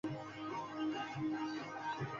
Esta mariposa hace parte de la cultura de la zona.